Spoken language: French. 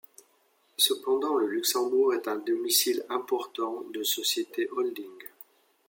Cependant le Luxembourg est un domicile important de sociétés holding.